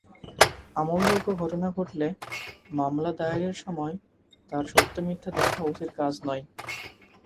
আমলযোগ্য ঘটনা ঘটলে মামলা দায়েরের সময় তার সত্য-মিথ্যা দেখা ওসির কাজ নয়।